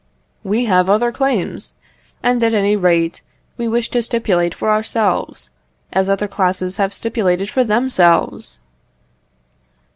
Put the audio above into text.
We have other claims, and, at any rate, we wish to stipulate for ourselves, as other classes have stipulated for themselves!"